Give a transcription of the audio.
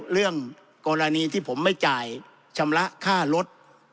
เรื่องกรณีที่ผมไม่จ่ายชำระค่ารถ